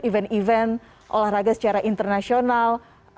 event event olahraga secara internasional